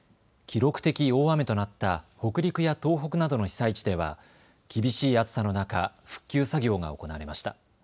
記録的大雨となった北陸や東北などの被災地では厳しい暑さの中、復旧作業が行われました。